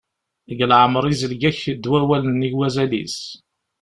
Deg leɛmer izleg-ak-d wawal nnig wazal-is.